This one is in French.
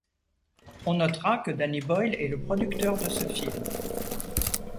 On notera que Danny Boyle est le producteur de ce film.